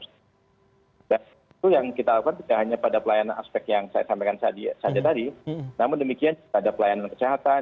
itu yang kita lakukan tidak hanya pada pelayanan aspek yang saya sampaikan saja tadi namun demikian pada pelayanan kesehatan